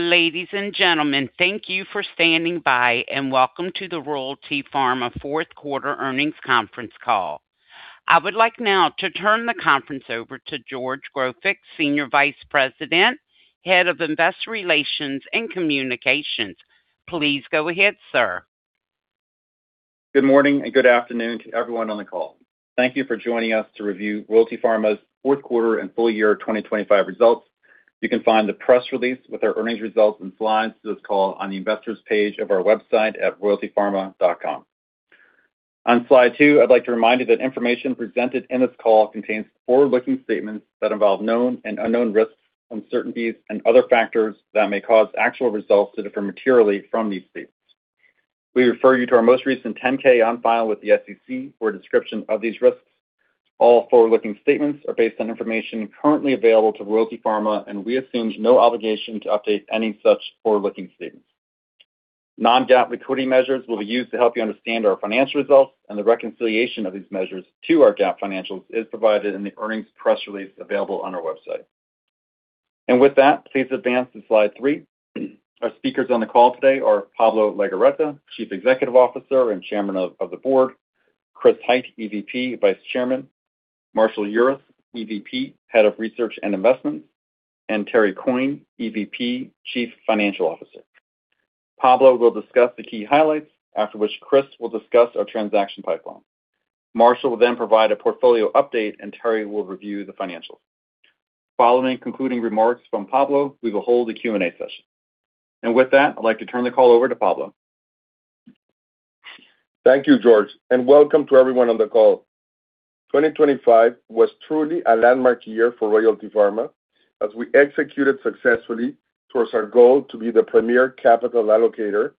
Ladies and gentlemen, thank you for standing by, and welcome to the Royalty Pharma Fourth Quarter Earnings Conference Call. I would like now to turn the conference over to George Grofik, Senior Vice President, Head of Investor Relations and Communications. Please go ahead, sir. Good morning, and good afternoon to everyone on the call. Thank you for joining us to review Royalty Pharma's fourth quarter and full year 2025 results. You can find the press release with our earnings results and slides to this call on the investors page of our website at royaltypharma.com. On slide two, I'd like to remind you that information presented in this call contains forward-looking statements that involve known and unknown risks, uncertainties, and other factors that may cause actual results to differ materially from these statements. We refer you to our most recent 10-K on file with the SEC for a description of these risks. All forward-looking statements are based on information currently available to Royalty Pharma, and we assume no obligation to update any such forward-looking statements. Non-GAAP reconciling measures will be used to help you understand our financial results and the reconciliation of these measures to our GAAP financials is provided in the earnings press release available on our website. And with that, please advance to slide three. Our speakers on the call today are Pablo Legorreta, Chief Executive Officer and Chairman of the Board, Chris Hite, EVP, Vice Chairman, Marshall Urist, EVP, Head of Research and Investments, and Terry Coyne, EVP, Chief Financial Officer. Pablo will discuss the key highlights, after which Chris will discuss our transaction pipeline. Marshall will then provide a portfolio update, and Terry will review the financials. Following concluding remarks from Pablo, we will hold a Q&A session. And with that, I'd like to turn the call over to Pablo. Thank you, George, and welcome to everyone on the call. 2025 was truly a landmark year for Royalty Pharma as we executed successfully towards our goal to be the premier capital allocator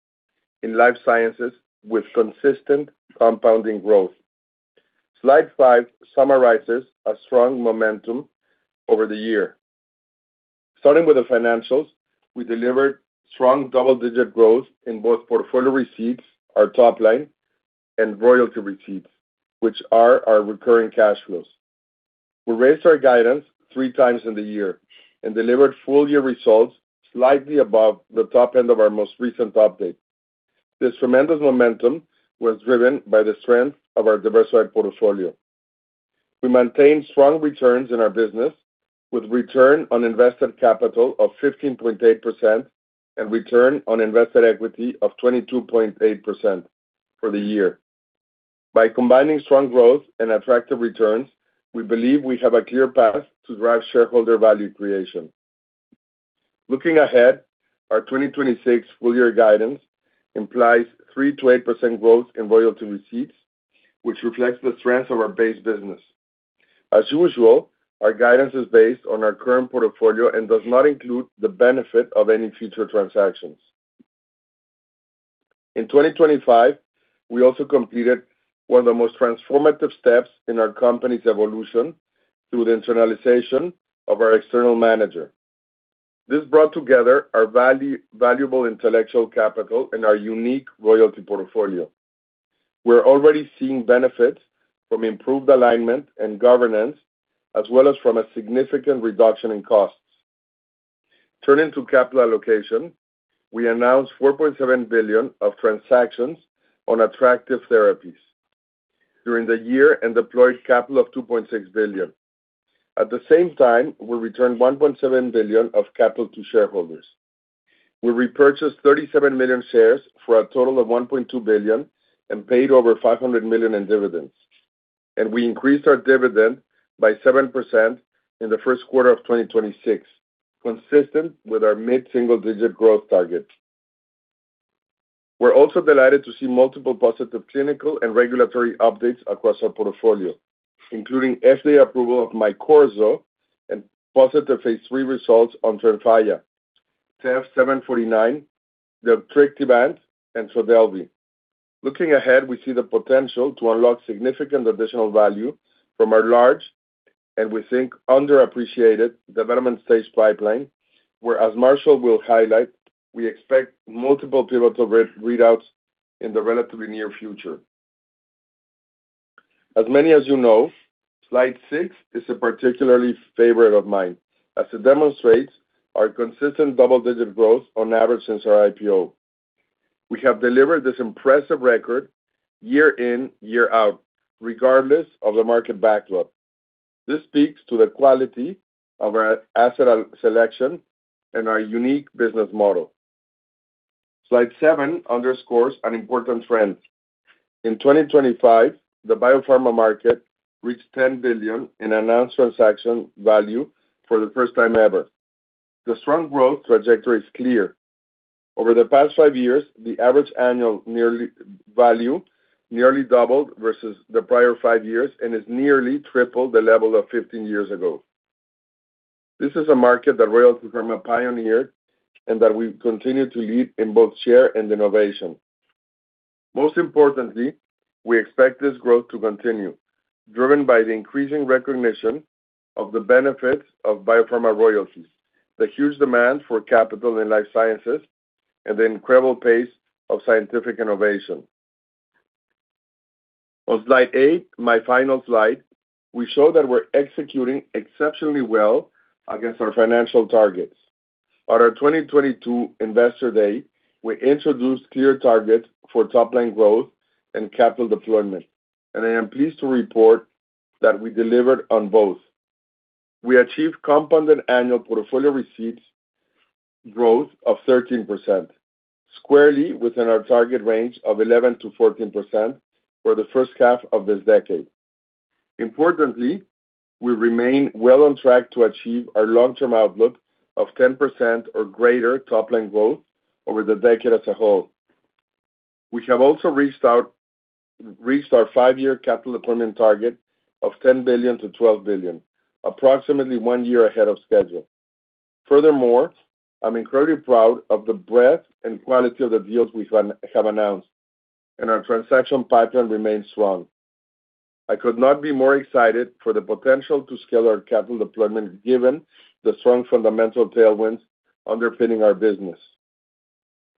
in life sciences with consistent compounding growth. Slide five summarizes a strong momentum over the year. Starting with the financials, we delivered strong double-digit growth in both portfolio receipts, our top line, and royalty receipts, which are our recurring cash flows. We raised our guidance three times in the year and delivered full-year results slightly above the top end of our most recent update. This tremendous momentum was driven by the strength of our diversified portfolio. We maintained strong returns in our business with return on invested capital of 15.8% and return on invested equity of 22.8% for the year. By combining strong growth and attractive returns, we believe we have a clear path to drive shareholder value creation. Looking ahead, our 2026 full-year guidance implies 3%-8% growth in royalty receipts, which reflects the strength of our base business. As usual, our guidance is based on our current portfolio and does not include the benefit of any future transactions. In 2025, we also completed one of the most transformative steps in our company's evolution through the internalization of our external manager. This brought together our valuable intellectual capital and our unique royalty portfolio. We're already seeing benefits from improved alignment and governance, as well as from a significant reduction in costs. Turning to capital allocation, we announced $4.7 billion of transactions on attractive therapies during the year and deployed capital of $2.6 billion. At the same time, we returned $1.7 billion of capital to shareholders. We repurchased 37 million shares for a total of $1.2 billion and paid over $500 million in dividends, and we increased our dividend by 7% in the first quarter of 2026, consistent with our mid-single-digit growth target. We're also delighted to see multiple positive clinical and regulatory updates across our portfolio, including FDA approval of aficamten and positive phase III results on TREMFYA, TEV-749, Trikafta, and Trodelvy. Looking ahead, we see the potential to unlock significant additional value from our large, and we think, underappreciated development stage pipeline, where, as Marshall will highlight, we expect multiple pivotal readouts in the relatively near future. As many as you know, slide six is a particularly favorite of mine, as it demonstrates our consistent double-digit growth on average since our IPO. We have delivered this impressive record year in, year out, regardless of the market backlog. This speaks to the quality of our asset selection and our unique business model. Slide seven underscores an important trend. In 2025, the biopharma market reached $10 billion in announced transaction value for the first time ever. The strong growth trajectory is clear. Over the past five years, the average annual value nearly doubled versus the prior five years and has nearly tripled the level of 15 years ago. This is a market that Royalty Pharma pioneered and that we continue to lead in both share and innovation. Most importantly, we expect this growth to continue, driven by the increasing recognition of the benefits of biopharma royalties, the huge demand for capital in life sciences, and the incredible pace of scientific innovation. On slide eight, my final slide, we show that we're executing exceptionally well against our financial targets. At our 2022 Investor Day, we introduced clear targets for top-line growth and capital deployment, and I am pleased to report that we delivered on both. We achieved compounded annual portfolio receipts growth of 13%, squarely within our target range of 11%-14% for the first half of this decade. Importantly, we remain well on track to achieve our long-term outlook of 10% or greater top-line growth over the decade as a whole. We have also reached our five-year capital deployment target of $10 billion-$12 billion, approximately one year ahead of schedule. Furthermore, I'm incredibly proud of the breadth and quality of the deals we have announced, and our transaction pipeline remains strong. I could not be more excited for the potential to scale our capital deployment, given the strong fundamental tailwinds underpinning our business.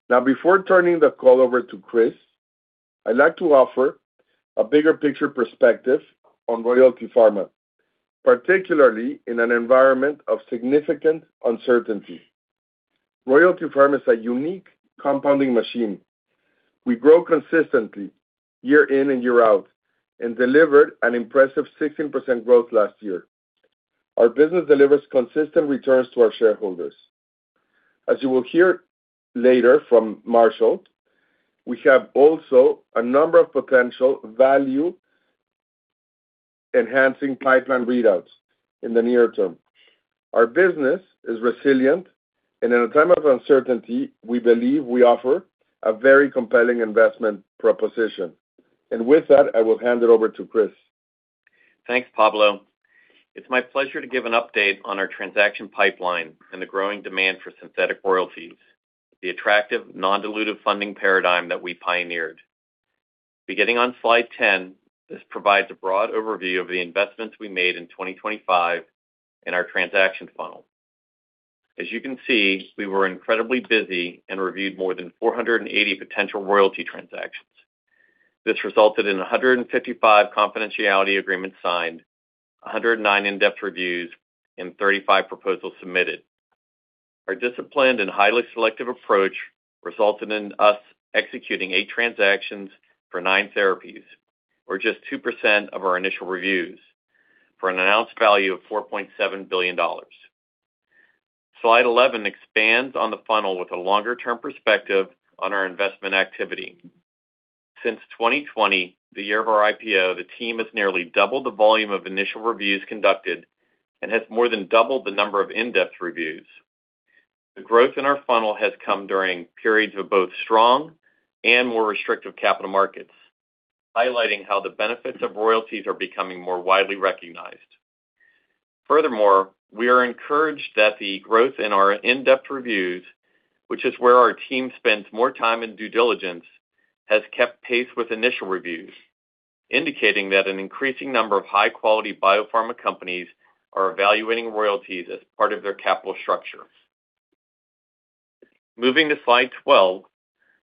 Now, before turning the call over to Chris, I'd like to offer a bigger picture perspective on Royalty Pharma, particularly in an environment of significant uncertainty. Royalty Pharma is a unique compounding machine. We grow consistently year in and year out, and delivered an impressive 16% growth last year. Our business delivers consistent returns to our shareholders. As you will hear later from Marshall, we have also a number of potential value-enhancing pipeline readouts in the near term. Our business is resilient, and in a time of uncertainty, we believe we offer a very compelling investment proposition. With that, I will hand it over to Chris. Thanks, Pablo. It's my pleasure to give an update on our transaction pipeline and the growing demand for synthetic royalties, the attractive, non-dilutive funding paradigm that we pioneered. Beginning on slide 10, this provides a broad overview of the investments we made in 2025 in our transaction funnel. As you can see, we were incredibly busy and reviewed more than 480 potential royalty transactions. This resulted in 155 confidentiality agreements signed, 109 in-depth reviews, and 35 proposals submitted. Our disciplined and highly selective approach resulted in us executing eight transactions for nine therapies, or just 2% of our initial reviews, for an announced value of $4.7 billion. Slide 11 expands on the funnel with a longer-term perspective on our investment activity. Since 2020, the year of our IPO, the team has nearly doubled the volume of initial reviews conducted and has more than doubled the number of in-depth reviews. The growth in our funnel has come during periods of both strong and more restrictive capital markets, highlighting how the benefits of royalties are becoming more widely recognized. Furthermore, we are encouraged that the growth in our in-depth reviews, which is where our team spends more time in due diligence, has kept pace with initial reviews, indicating that an increasing number of high-quality biopharma companies are evaluating royalties as part of their capital structure. Moving to slide 12,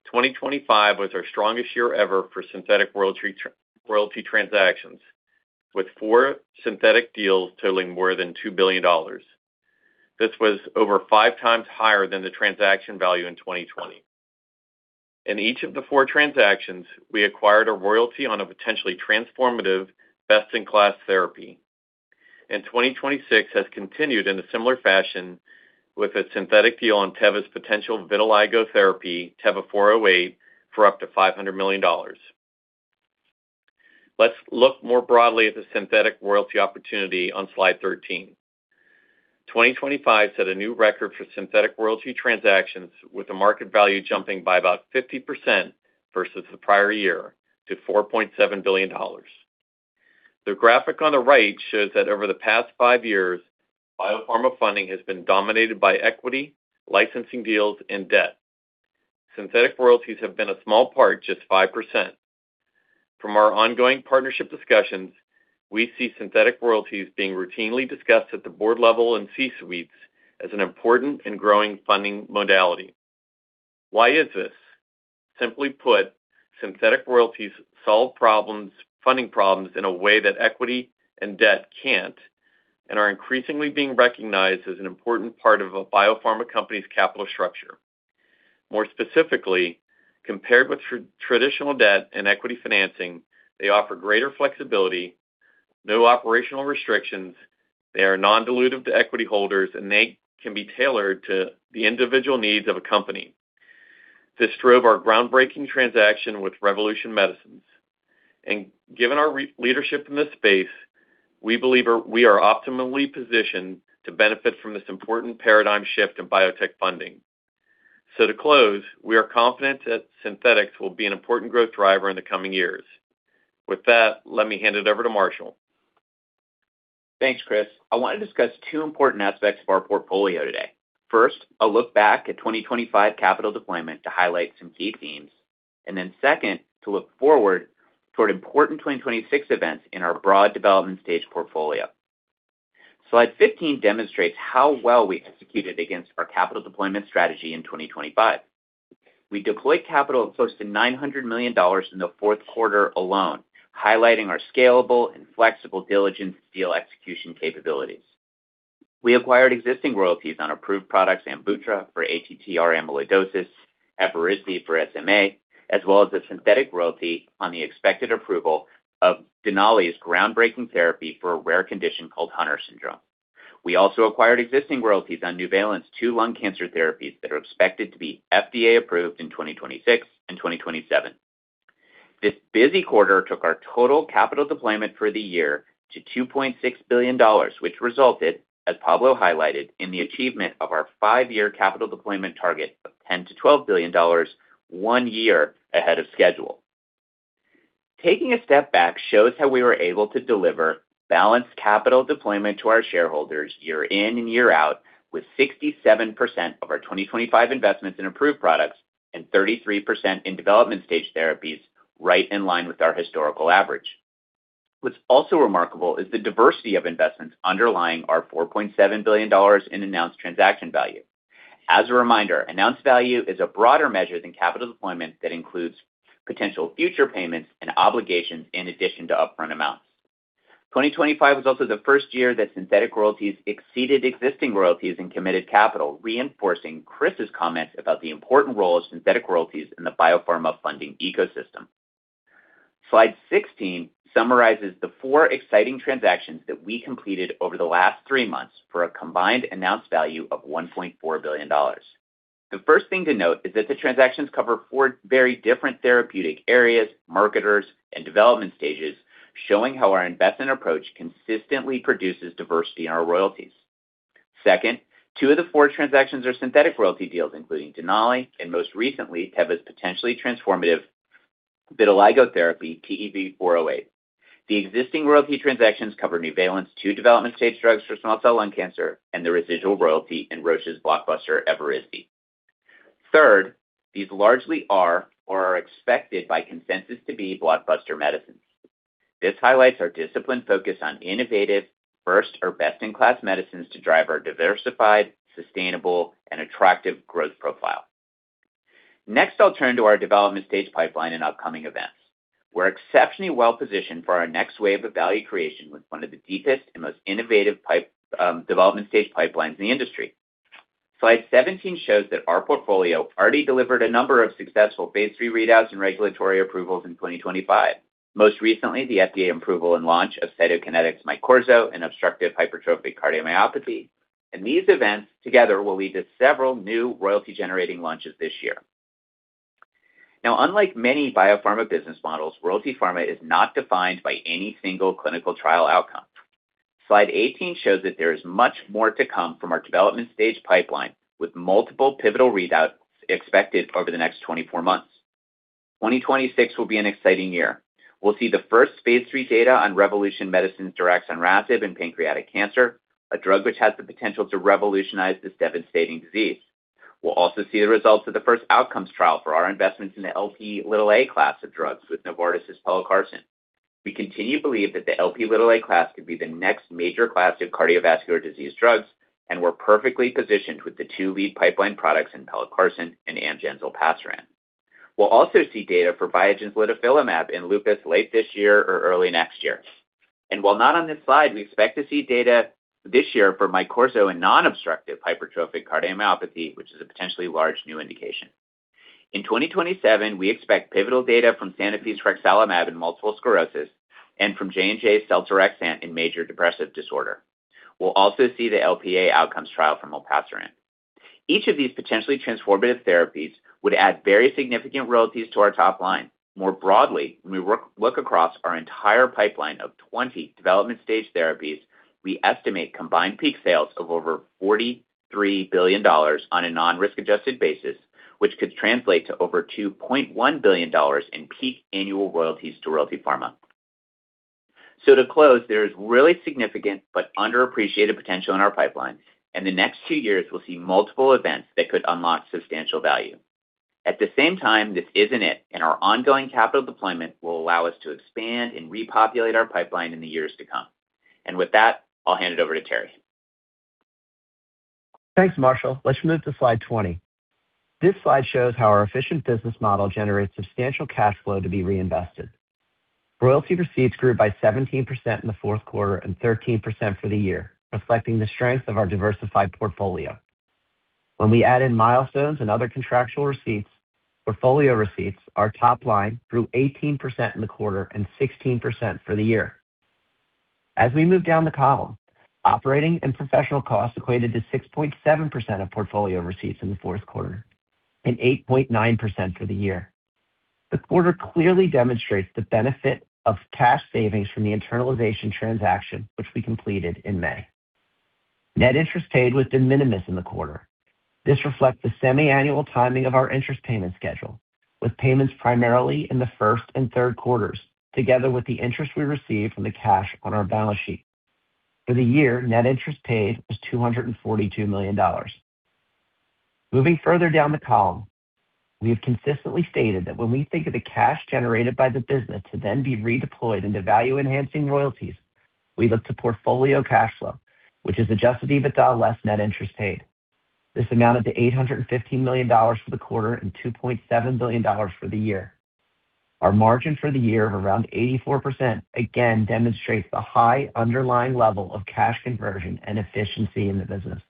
2025 was our strongest year ever for synthetic royalty, royalty transactions, with four synthetic deals totaling more than $2 billion. This was over five times higher than the transaction value in 2020. In each of the four transactions, we acquired a royalty on a potentially transformative, best-in-class therapy. In 2026 has continued in a similar fashion with a synthetic deal on Teva's potential vitiligo therapy, TEV-48574, for up to $500 million. Let's look more broadly at the synthetic royalty opportunity on slide 13. 2025 set a new record for synthetic royalty transactions, with the market value jumping by about 50% versus the prior year, to $4.7 billion. The graphic on the right shows that over the past five years, biopharma funding has been dominated by equity, licensing deals, and debt. Synthetic royalties have been a small part, just 5%. From our ongoing partnership discussions, we see synthetic royalties being routinely discussed at the board level and C-suites as an important and growing funding modality. Why is this? Simply put, synthetic royalties solve problems, funding problems in a way that equity and debt can't, and are increasingly being recognized as an important part of a biopharma company's capital structure. More specifically, compared with traditional debt and equity financing, they offer greater flexibility, no operational restrictions, they are non-dilutive to equity holders, and they can be tailored to the individual needs of a company. This drove our groundbreaking transaction with Revolution Medicines. And given our leadership in this space, we believe we are optimally positioned to benefit from this important paradigm shift in biotech funding. So to close, we are confident that synthetics will be an important growth driver in the coming years. With that, let me hand it over to Marshall. Thanks, Chris. I want to discuss two important aspects of our portfolio today. First, a look back at 2025 capital deployment to highlight some key themes, and then second, to look forward toward important 2026 events in our broad development stage portfolio... Slide 15 demonstrates how well we executed against our capital deployment strategy in 2025. We deployed capital of close to $900 million in the fourth quarter alone, highlighting our scalable and flexible diligence deal execution capabilities. We acquired existing royalties on approved products, Amvuttra for ATTR amyloidosis, Evrysdi for SMA, as well as a synthetic royalty on the expected approval of Denali's groundbreaking therapy for a rare condition called Hunter Syndrome. We also acquired existing royalties on Nuvalent, two lung cancer therapies that are expected to be FDA-approved in 2026 and 2027. This busy quarter took our total capital deployment for the year to $2.6 billion, which resulted, as Pablo highlighted, in the achievement of our five-year capital deployment target of $10 billion-$12 billion, one year ahead of schedule. Taking a step back shows how we were able to deliver balanced capital deployment to our shareholders year in and year out, with 67% of our 2025 investments in approved products and 33% in development stage therapies, right in line with our historical average. What's also remarkable is the diversity of investments underlying our $4.7 billion in announced transaction value. As a reminder, announced value is a broader measure than capital deployment that includes potential future payments and obligations in addition to upfront amounts. 2025 was also the first year that synthetic royalties exceeded existing royalties and committed capital, reinforcing Chris's comments about the important role of synthetic royalties in the biopharma funding ecosystem. Slide 16 summarizes the four exciting transactions that we completed over the last three months for a combined announced value of $1.4 billion. The first thing to note is that the transactions cover four very different therapeutic areas, marketers, and development stages, showing how our investment approach consistently produces diversity in our royalties. Second, two of the four transactions are synthetic royalty deals, including Denali and, most recently, Teva's potentially transformative vitiligo therapy, TEV-48574. The existing royalty transactions cover Nuvalent, two development stage drugs for small cell lung cancer, and the residual royalty in Roche's blockbuster, Evrysdi. Third, these largely are or are expected by consensus to be blockbuster medicines. This highlights our disciplined focus on innovative first or best-in-class medicines to drive our diversified, sustainable, and attractive growth profile. Next, I'll turn to our development stage pipeline and upcoming events. We're exceptionally well positioned for our next wave of value creation, with one of the deepest and most innovative development stage pipelines in the industry. Slide 17 shows that our portfolio already delivered a number of successful phase III readouts and regulatory approvals in 2025. Most recently, the FDA approval and launch of Cytokinetics' aficamten and obstructive hypertrophic cardiomyopathy, and these events together will lead to several new royalty-generating launches this year. Now, unlike many biopharma business models, Royalty Pharma is not defined by any single clinical trial outcome. Slide 18 shows that there is much more to come from our development stage pipeline, with multiple pivotal readouts expected over the next 24 months. 2026 will be an exciting year. We'll see the first phase III data on Revolution Medicines' RMC-6236 in pancreatic cancer, a drug which has the potential to revolutionize this devastating disease. We'll also see the results of the first outcomes trial for our investments in the Lp(a) class of drugs with Novartis' pelacarsen. We continue to believe that the Lp(a) class could be the next major class of cardiovascular disease drugs, and we're perfectly positioned with the two lead pipeline products in pelacarsen and Amgen's olpasiran. We'll also see data for Biogen's litifilimab in lupus late this year or early next year. And while not on this slide, we expect to see data this year for aficamten in non-obstructive hypertrophic cardiomyopathy, which is a potentially large new indication. In 2027, we expect pivotal data from Sanofi's frexalimab in multiple sclerosis and from J&J's seldorexant in major depressive disorder. We'll also see the Lp(a) outcomes trial from olpasiran. Each of these potentially transformative therapies would add very significant royalties to our top line. More broadly, when we look across our entire pipeline of 20 development-stage therapies, we estimate combined peak sales of over $43 billion on a non-risk-adjusted basis, which could translate to over $2.1 billion in peak annual royalties to Royalty Pharma. So to close, there is really significant but underappreciated potential in our pipeline, and the next two years will see multiple events that could unlock substantial value. At the same time, this isn't it, and our ongoing capital deployment will allow us to expand and repopulate our pipeline in the years to come. With that, I'll hand it over to Terry. Thanks, Marshall. Let's move to slide 20. This slide shows how our efficient business model generates substantial cash flow to be reinvested. Royalty receipts grew by 17% in the fourth quarter and 13% for the year, reflecting the strength of our diversified portfolio. When we add in milestones and other contractual receipts, portfolio receipts, our top line grew 18% in the quarter and 16% for the year. As we move down the column, operating and professional costs equated to 6.7% of portfolio receipts in the fourth quarter and 8.9% for the year. The quarter clearly demonstrates the benefit of cash savings from the internalization transaction, which we completed in May. Net interest paid was de minimis in the quarter. This reflects the semi-annual timing of our interest payment schedule, with payments primarily in the first and third quarters, together with the interest we received from the cash on our balance sheet. For the year, net interest paid was $242 million. Moving further down the column, we have consistently stated that when we think of the cash generated by the business to then be redeployed into value-enhancing royalties, we look to portfolio cash flow, which is adjusted EBITDA less net interest paid. This amounted to $815 million for the quarter and $2.7 billion for the year. Our margin for the year of around 84% again demonstrates the high underlying level of cash conversion and efficiency in the business.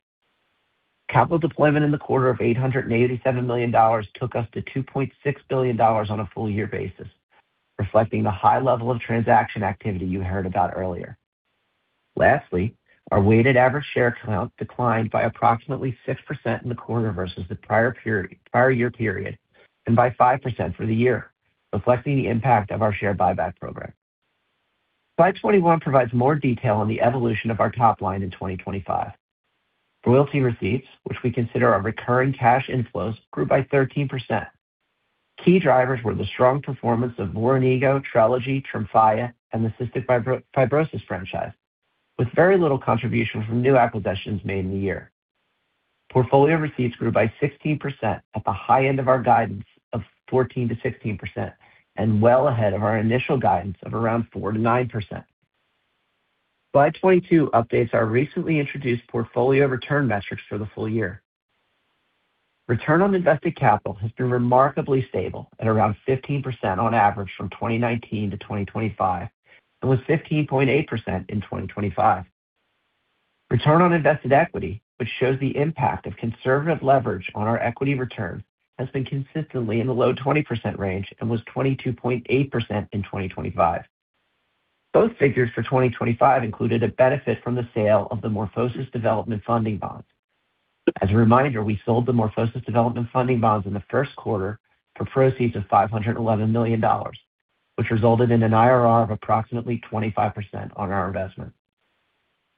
Capital deployment in the quarter of $887 million took us to $2.6 billion on a full year basis, reflecting the high level of transaction activity you heard about earlier. Lastly, our weighted average share count declined by approximately 6% in the quarter versus the prior period, prior year period, and by 5% for the year, reflecting the impact of our share buyback program. Slide 21 provides more detail on the evolution of our top line in 2025. Royalty receipts, which we consider our recurring cash inflows, grew by 13%. Key drivers were the strong performance of Voranigo, Trelstar, TREMFYA, and the cystic fibrosis franchise, with very little contribution from new acquisitions made in the year. Portfolio receipts grew by 16% at the high end of our guidance of 14%-16% and well ahead of our initial guidance of around 4%-9%. Slide 22 updates our recently introduced portfolio return metrics for the full year. Return on invested capital has been remarkably stable at around 15% on average from 2019 to 2025, and was 15.8% in 2025. Return on invested equity, which shows the impact of conservative leverage on our equity return, has been consistently in the low 20% range and was 22.8% in 2025. Both figures for 2025 included a benefit from the sale of the MorphoSys development funding bonds. As a reminder, we sold the MorphoSys development funding bonds in the first quarter for proceeds of $511 million, which resulted in an IRR of approximately 25% on our investment.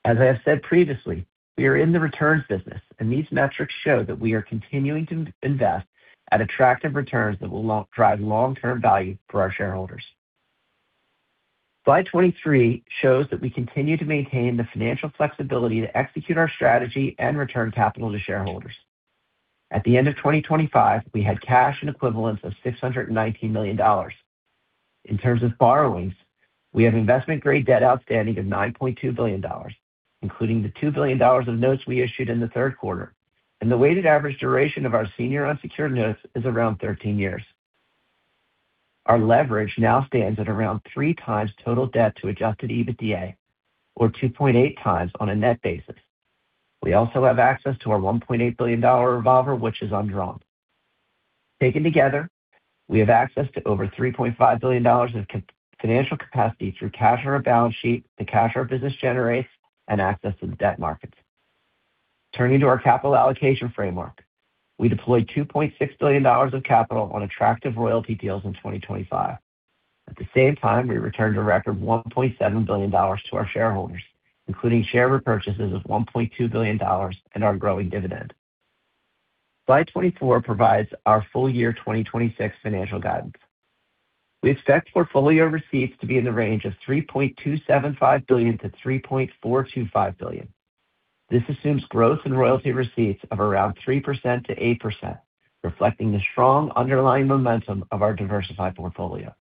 As I have said previously, we are in the returns business, and these metrics show that we are continuing to invest at attractive returns that will drive long-term value for our shareholders. Slide 23 shows that we continue to maintain the financial flexibility to execute our strategy and return capital to shareholders. At the end of 2025, we had cash and equivalents of $619 million. In terms of borrowings, we have investment-grade debt outstanding of $9.2 billion, including the $2 billion of notes we issued in the third quarter, and the weighted average duration of our senior unsecured notes is around 13 years. Our leverage now stands at around 3x total debt to Adjusted EBITDA, or 2.8x on a net basis. We also have access to our $1.8 billion revolver, which is undrawn. Taken together, we have access to over $3.5 billion of financial capacity through cash on our balance sheet, the cash our business generates, and access to the debt markets. Turning to our capital allocation framework, we deployed $2.6 billion of capital on attractive royalty deals in 2025. At the same time, we returned a record $1.7 billion to our shareholders, including share repurchases of $1.2 billion and our growing dividend. Slide 24 provides our full year 2026 financial guidance. We expect portfolio receipts to be in the range of $3.275 billion-$3.425 billion. This assumes growth in royalty receipts of around 3%-8%, reflecting the strong underlying momentum of our diversified portfolio.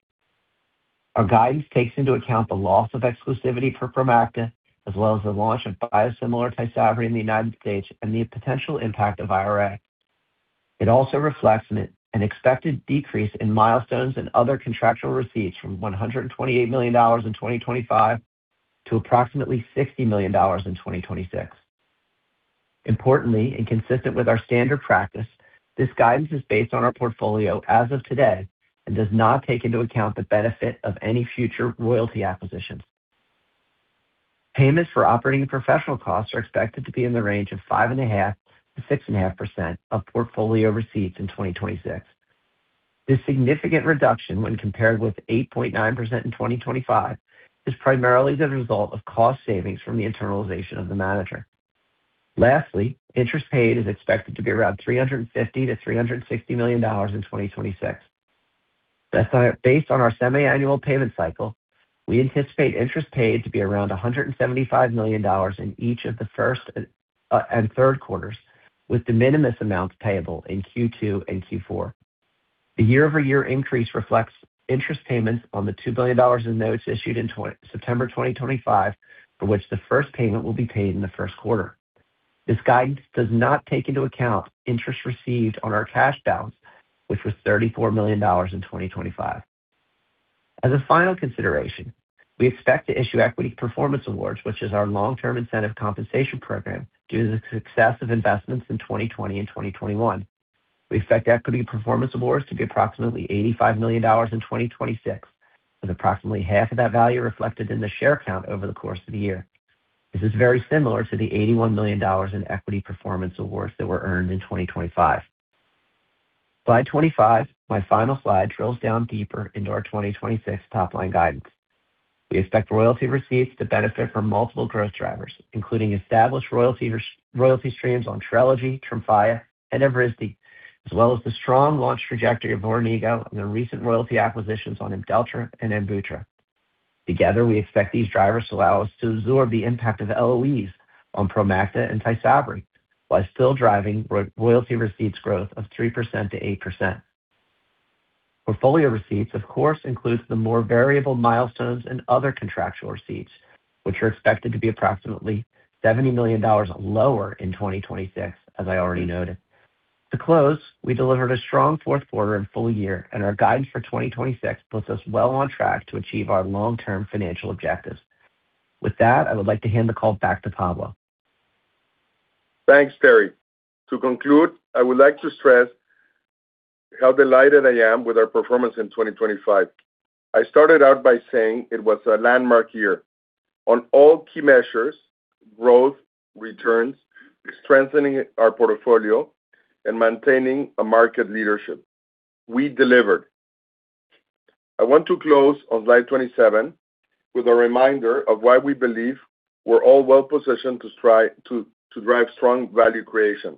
Our guidance takes into account the loss of exclusivity for Promacta, as well as the launch of biosimilar Tysabri in the United States and the potential impact of IRA. It also reflects an expected decrease in milestones and other contractual receipts from $128 million in 2025 to approximately $60 million in 2026. Importantly, and consistent with our standard practice, this guidance is based on our portfolio as of today and does not take into account the benefit of any future royalty acquisitions. Payments for operating and professional costs are expected to be in the range of 5.5%-6.5% of portfolio receipts in 2026. This significant reduction, when compared with 8.9% in 2025, is primarily the result of cost savings from the internalization of the manager. Lastly, interest paid is expected to be around $350 million-$360 million in 2026. Based on our semiannual payment cycle, we anticipate interest paid to be around $175 million in each of the first and third quarters, with de minimis amounts payable in Q2 and Q4. The year-over-year increase reflects interest payments on the $2 billion in notes issued in September 2025, for which the first payment will be paid in the first quarter. This guidance does not take into account interest received on our cash balance, which was $34 million in 2025. As a final consideration, we expect to issue equity performance awards, which is our long-term incentive compensation program, due to the success of investments in 2020 and 2021. We expect equity performance awards to be approximately $85 million in 2026, with approximately half of that value reflected in the share count over the course of the year. This is very similar to the $81 million in equity performance awards that were earned in 2025. Slide 25, my final slide, drills down deeper into our 2026 top-line guidance. We expect royalty receipts to benefit from multiple growth drivers, including established royalty streams on Trelegy, TREMFYA, and Evrysdi, as well as the strong launch trajectory of Voranigo and the recent royalty acquisitions on Imdelltra and Amvuttra. Together, we expect these drivers to allow us to absorb the impact of LOEs on Promacta and Tysabri, while still driving royalty receipts growth of 3%-8%. Portfolio receipts, of course, includes the more variable milestones and other contractual receipts, which are expected to be approximately $70 million lower in 2026, as I already noted. To close, we delivered a strong fourth quarter and full year, and our guidance for 2026 puts us well on track to achieve our long-term financial objectives. With that, I would like to hand the call back to Pablo. Thanks, Terry. To conclude, I would like to stress how delighted I am with our performance in 2025. I started out by saying it was a landmark year. On all key measures, growth, returns, strengthening our portfolio, and maintaining a market leadership, we delivered. I want to close on slide 27 with a reminder of why we believe we're all well-positioned to drive strong value creation.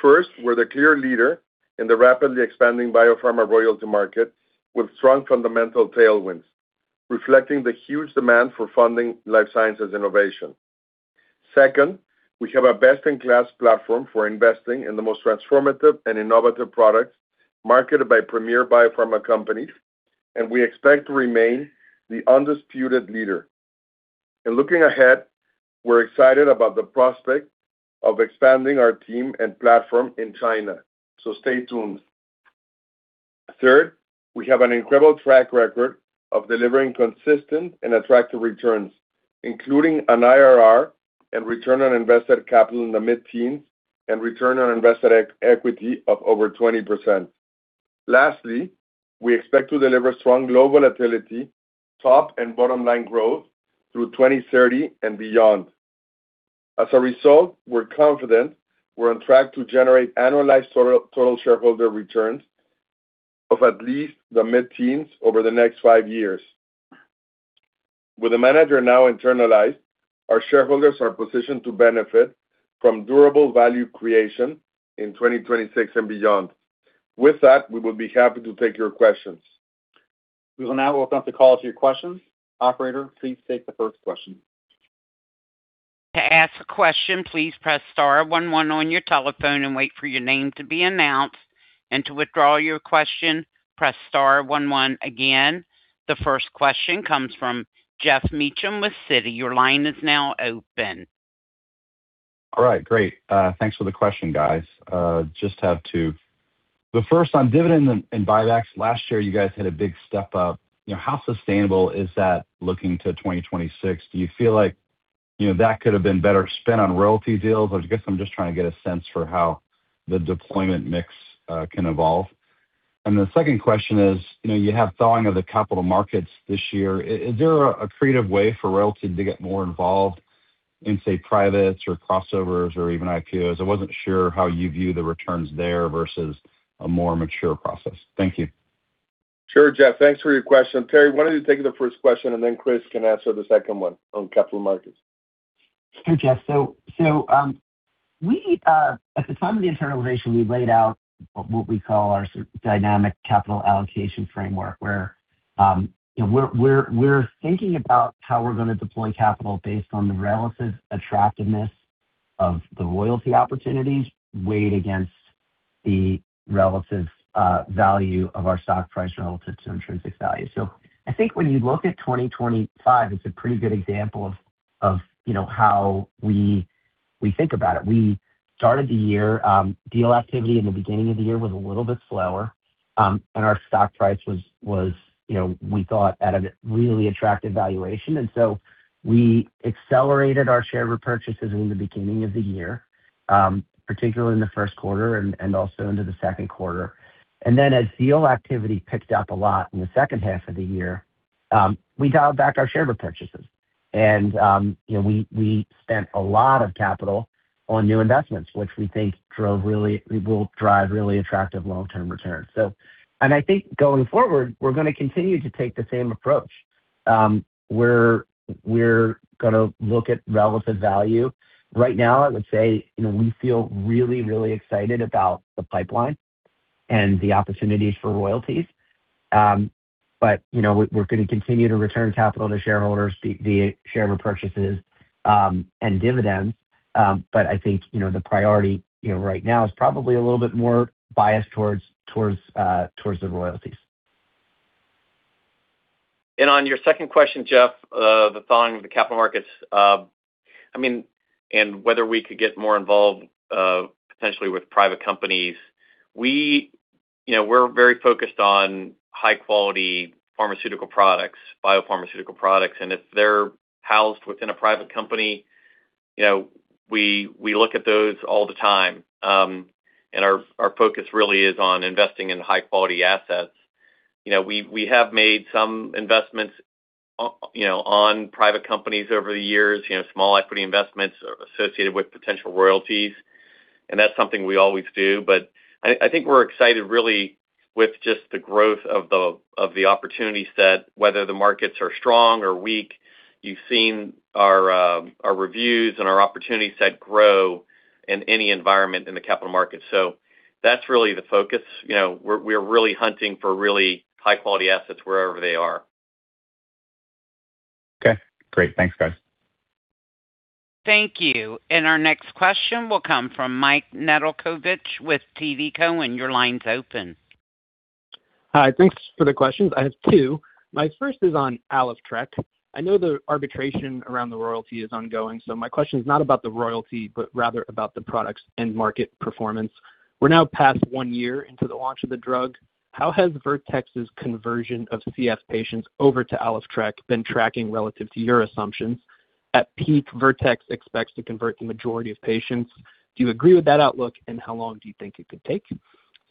First, we're the clear leader in the rapidly expanding biopharma royalty market, with strong fundamental tailwinds, reflecting the huge demand for funding life sciences innovation. Second, we have a best-in-class platform for investing in the most transformative and innovative products marketed by premier biopharma companies, and we expect to remain the undisputed leader. And looking ahead, we're excited about the prospect of expanding our team and platform in China, so stay tuned. Third, we have an incredible track record of delivering consistent and attractive returns, including an IRR and return on invested capital in the mid-teens and return on invested equity of over 20%. Lastly, we expect to deliver strong low volatility, top and bottom-line growth through 2030 and beyond. As a result, we're confident we're on track to generate annualized total shareholder returns of at least the mid-teens over the next five years. With the manager now internalized, our shareholders are positioned to benefit from durable value creation in 2026 and beyond. With that, we will be happy to take your questions. We will now open up the call to your questions. Operator, please take the first question. To ask a question, please press star one one on your telephone and wait for your name to be announced, and to withdraw your question, press star one one again. The first question comes from Geoff Meacham with Citi. Your line is now open. All right, great. Thanks for the question, guys. Just have two. The first, on dividend and buybacks, last year, you guys had a big step up. You know, how sustainable is that looking to 2026? Do you feel like, you know, that could have been better spent on royalty deals? I guess I'm just trying to get a sense for how the deployment mix can evolve. And the second question is, you know, you have thawing of the capital markets this year. Is there a creative way for royalty to get more involved in, say, privates or crossovers or even IPOs? I wasn't sure how you view the returns there versus a more mature process. Thank you. Sure, Geoff, thanks for your question. Terry, why don't you take the first question, and then Chris can answer the second one on capital markets. Sure, Jeff. So, at the time of the internalization, we laid out what we call our dynamic capital allocation framework, where, you know, we're thinking about how we're gonna deploy capital based on the relative attractiveness of the royalty opportunities, weighed against the relative value of our stock price relative to intrinsic value. So I think when you look at 2025, it's a pretty good example of, you know, how we think about it. We started the year, deal activity in the beginning of the year was a little bit slower, and our stock price was, you know, we thought, at a really attractive valuation. And so we accelerated our share repurchases in the beginning of the year, particularly in the first quarter and also into the second quarter. Then, as deal activity picked up a lot in the second half of the year, we dialed back our share repurchases. You know, we spent a lot of capital on new investments, which we think drove really--will drive really attractive long-term returns. I think going forward, we're gonna continue to take the same approach. We're gonna look at relative value. Right now, I would say, you know, we feel really, really excited about the pipeline and the opportunities for royalties. But, you know, we're gonna continue to return capital to shareholders via share repurchases and dividends. But I think, you know, the priority, you know, right now is probably a little bit more biased towards the royalties. And on your second question, Geoff, the thawing of the capital markets, I mean, and whether we could get more involved potentially with private companies, you know, we're very focused on high-quality pharmaceutical products, biopharmaceutical products, and if they're housed within a private company, you know, we look at those all the time. And our focus really is on investing in high-quality assets. You know, we have made some investments, you know, on private companies over the years, you know, small equity investments associated with potential royalties, and that's something we always do. But I think we're excited, really, with just the growth of the opportunity set, whether the markets are strong or weak. You've seen our—... our revenues and our opportunity set grow in any environment in the capital market. That's really the focus. You know, we're really hunting for really high-quality assets wherever they are. Okay, great. Thanks, guys. Thank you. Our next question will come from Mike Nedelcovic with TD Cowen. Your line's open. Hi, thanks for the questions. I have two. My first is on ALYFTREK. I know the arbitration around the royalty is ongoing, so my question is not about the royalty, but rather about the products and market performance. We're now past one year into the launch of the drug. How has Vertex's conversion of CF patients over to ALYFTREK been tracking relative to your assumptions? At peak, Vertex expects to convert the majority of patients. Do you agree with that outlook? And how long do you think it could take?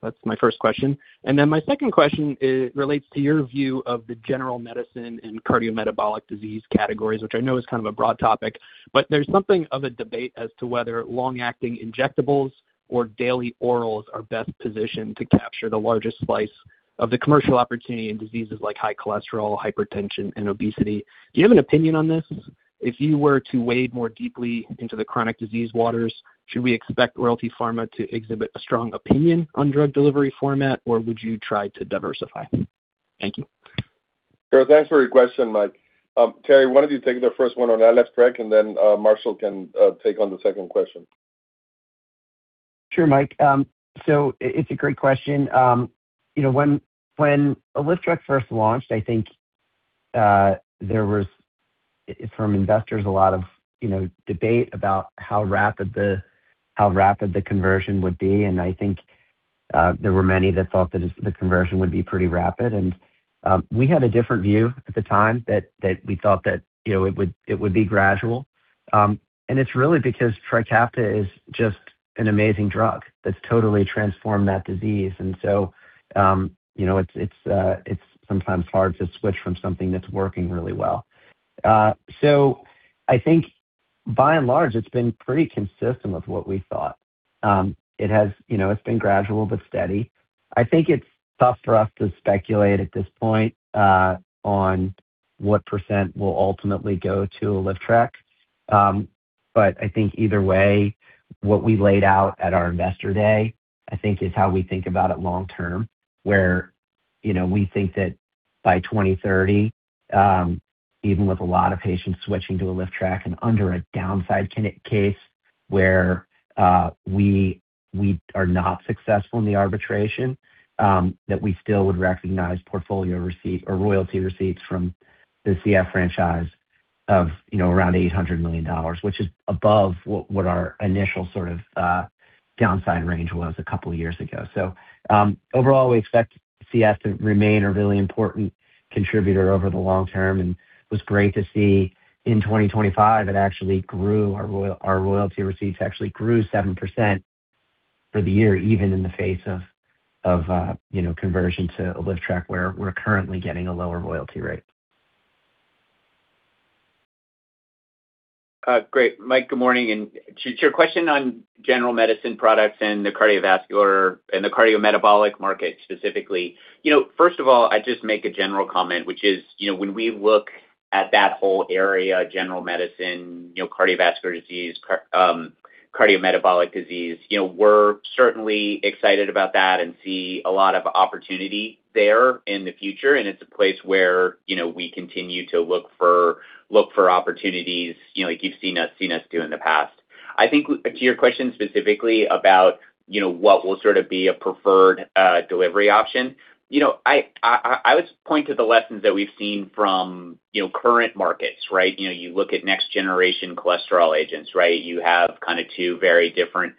That's my first question. And then my second question is, relates to your view of the general medicine and cardiometabolic disease categories, which I know is kind of a broad topic, but there's something of a debate as to whether long-acting injectables or daily orals are best positioned to capture the largest slice of the commercial opportunity in diseases like high cholesterol, hypertension, and obesity. Do you have an opinion on this? If you were to wade more deeply into the chronic disease waters, should we expect Royalty Pharma to exhibit a strong opinion on drug delivery format, or would you try to diversify? Thank you. Thanks for your question, Mike. Terry, why don't you take the first one on ALYFTREK, and then, Marshall can take on the second question. Sure, Mike. It's a great question. You know, when ALYFTREK first launched, I think there was, from investors, a lot of, you know, debate about how rapid the conversion would be. And I think there were many that thought that the conversion would be pretty rapid. And we had a different view at the time, that we thought that, you know, it would be gradual. And it's really because Trikafta is just an amazing drug that's totally transformed that disease. And so, you know, it's sometimes hard to switch from something that's working really well. So I think by and large, it's been pretty consistent with what we thought. It has. You know, it's been gradual but steady. I think it's tough for us to speculate at this point on what percent will ultimately go to ALYFTREK. But I think either way, what we laid out at our investor day, I think, is how we think about it long term, where, you know, we think that by 2030, even with a lot of patients switching to ALYFTREK and under a downside case where we are not successful in the arbitration, that we still would recognize portfolio receipt or royalty receipts from the CF franchise of, you know, around $800 million, which is above what our initial sort of downside range was a couple of years ago. So, overall, we expect CF to remain a really important contributor over the long term, and it was great to see in 2025, it actually grew. Our royalty receipts actually grew 7% for the year, even in the face of, you know, conversion to ALYFTREK, where we're currently getting a lower royalty rate. Great. Mike, good morning. And to your question on general medicine products and the cardiovascular and the cardiometabolic market specifically, you know, first of all, I'd just make a general comment, which is, you know, when we look at that whole area, general medicine, you know, cardiovascular disease, cardiometabolic disease, you know, we're certainly excited about that and see a lot of opportunity there in the future, and it's a place where, you know, we continue to look for, look for opportunities, you know, like you've seen us, seen us do in the past. I think to your question specifically about, you know, what will sort of be a preferred delivery option, you know, I would point to the lessons that we've seen from, you know, current markets, right? You know, you look at next-generation cholesterol agents, right? You have kind of two very different,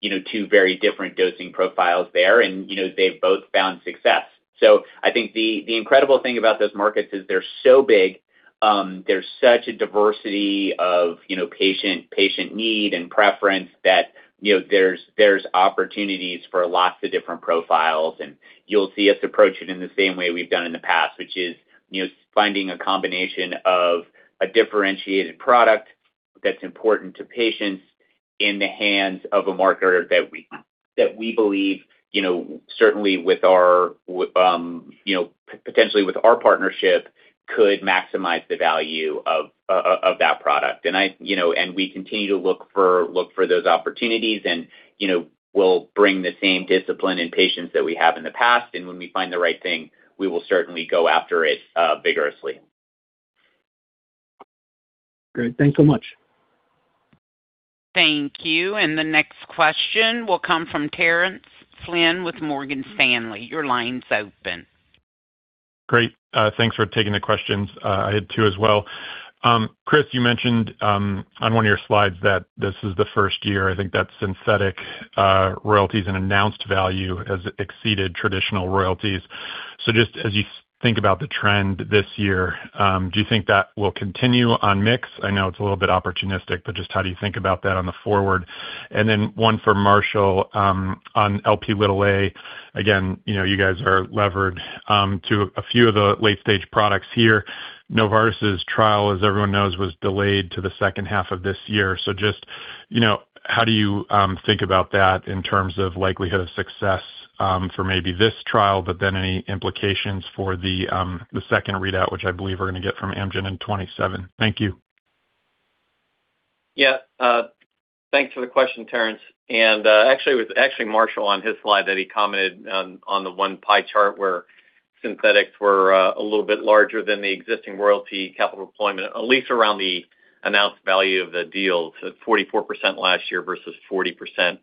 you know, two very different dosing profiles there, and, you know, they've both found success. So I think the incredible thing about those markets is they're so big, there's such a diversity of, you know, patient need and preference that, you know, there's opportunities for lots of different profiles. And you'll see us approach it in the same way we've done in the past, which is, you know, finding a combination of a differentiated product that's important to patients in the hands of a marketer that we believe, you know, certainly with our, you know, potentially with our partnership, could maximize the value of, of that product. And I... You know, and we continue to look for those opportunities and, you know, we'll bring the same discipline and patience that we have in the past, and when we find the right thing, we will certainly go after it, vigorously. Great. Thanks so much. Thank you. The next question will come from Terence Flynn with Morgan Stanley. Your line's open. Great. Thanks for taking the questions. I had two as well. Chris, you mentioned on one of your slides that this is the first year, I think, that synthetic royalties and announced value has exceeded traditional royalties. So just as you think about the trend this year, do you think that will continue on mix? I know it's a little bit opportunistic, but just how do you think about that on the forward? And then one for Marshall, on Lp(a). Again, you know, you guys are levered to a few of the late-stage products here. Novartis' trial, as everyone knows, was delayed to the second half of this year. So just, you know, how do you think about that in terms of likelihood of success, for maybe this trial, but then any implications for the, the second readout, which I believe we're gonna get from Amgen in 2027? Thank you.... Yeah, thanks for the question, Terrance. And, actually, it was actually Marshall on his slide that he commented on, on the one pie chart where synthetics were, a little bit larger than the existing royalty capital deployment, at least around the announced value of the deal, so 44% last year versus 40%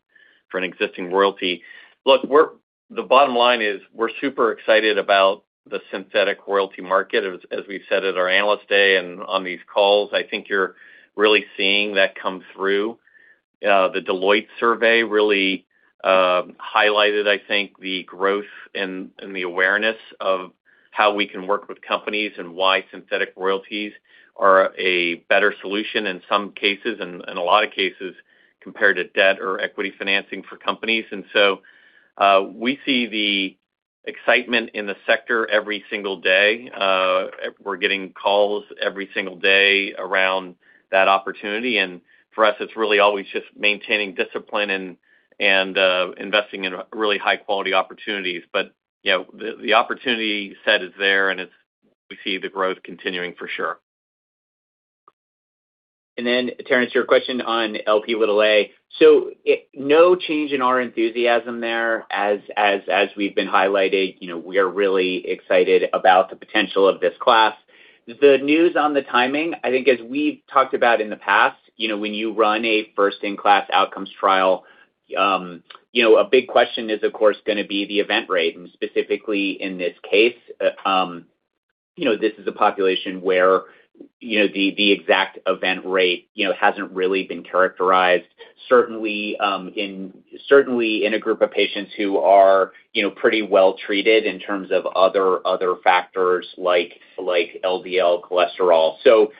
for an existing royalty. Look, we're—the bottom line is we're super excited about the synthetic royalty market. As, as we've said at our Analyst Day and on these calls, I think you're really seeing that come through. The Deloitte survey really, highlighted, I think, the growth and, and the awareness of how we can work with companies and why synthetic royalties are a better solution in some cases, and, and a lot of cases compared to debt or equity financing for companies. We see the excitement in the sector every single day. We're getting calls every single day around that opportunity, and for us, it's really always just maintaining discipline and investing in really high-quality opportunities. But, you know, the opportunity set is there, and it's, we see the growth continuing for sure. Then, Terence, your question on Lp(a). So no change in our enthusiasm there as we've been highlighting, you know, we are really excited about the potential of this class. The news on the timing, I think as we've talked about in the past, you know, when you run a first-in-class outcomes trial, you know, a big question is, of course, going to be the event rate. And specifically, in this case, you know, this is a population where, you know, the exact event rate, you know, hasn't really been characterized. Certainly in a group of patients who are, you know, pretty well treated in terms of other factors like LDL cholesterol. So,